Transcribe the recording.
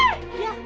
pergi cepat pergi